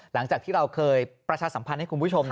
หลังจากที่เราเคยประชาสัมพันธ์ให้คุณผู้ชม